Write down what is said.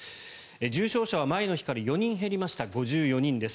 重症者は前の日から４人減りました、５４人です。